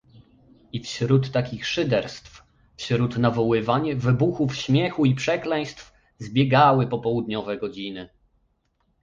"I wśród takich szyderstw, wśród nawoływań, wybuchów śmiechu i przekleństw, zbiegały popołudniowe godziny."